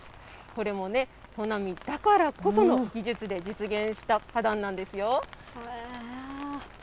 これもね、砺波だからこその技術で実現した花壇なんですよ。